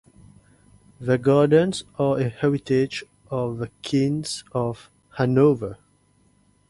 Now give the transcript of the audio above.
The gardens are a heritage of the Kings of Hanover.